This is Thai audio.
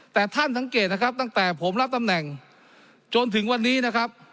แต่ท่านสังเกตนะครับตั้งแต่ผมรับตำแหน่งจนถึงวันนี้นะครับ